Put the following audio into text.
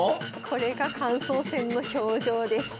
これが感想戦の表情です。